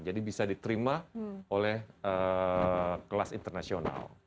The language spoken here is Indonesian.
jadi bisa diterima oleh kelas internasional